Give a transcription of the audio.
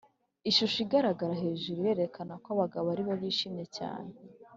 Ishusho igaragara hejuru irerekana ko abagabo aribo bishimye cyane